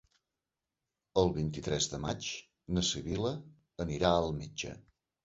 El vint-i-tres de maig na Sibil·la anirà al metge.